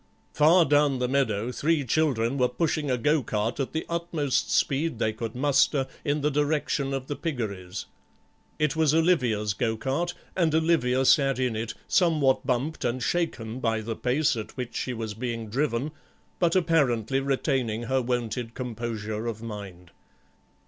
Far down the meadow three children were pushing a go cart at the utmost speed they could muster in the direction of the piggeries; it was Olivia's go cart and Olivia sat in it, somewhat bumped and shaken by the pace at which she was being driven, but apparently retaining her wonted composure of mind.